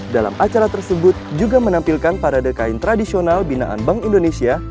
dalam acara tersebut juga menampilkan parade kain tradisional binaan bank indonesia